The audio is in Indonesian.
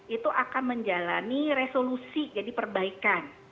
itu akan menjalani resolusi jadi perbaikan